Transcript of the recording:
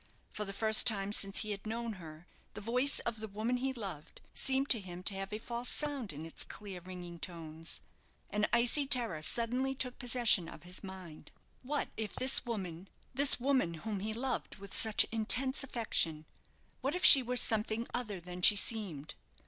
For the first time since he had known her, the voice of the woman he loved, seemed to him to have a false sound in its clear, ringing tones. An icy terror suddenly took possession of his mind. What if this woman this woman, whom he loved with such intense affection what if she were something other than she seemed!